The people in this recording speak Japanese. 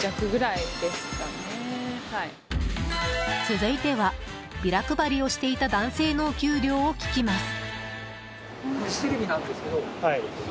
続いては、ビラ配りをしていた男性のお給料を聞きます。